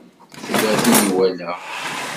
Tella tin i walaɣ.